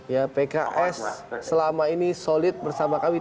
ya pks selama ini solid bersama kami